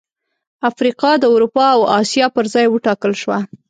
افریقا د اروپا او اسیا پر ځای وټاکل شوه.